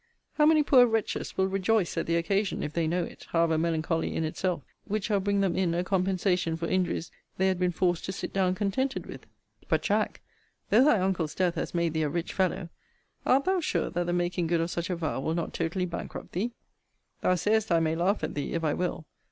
how many poor wretches will rejoice at the occasion, (if they know it,) however melancholy in itself, which shall bring them in a compensation for injuries they had been forced to sit down contented with! But, Jack, though thy uncle's death has made thee a rich fellow, art thou sure that the making good of such a vow will not totally bankrupt thee? Thou sayest I may laugh at thee, if I will.